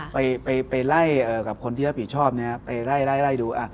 ไปไล่กับคนที่รับผิดชอบไปไล่ดู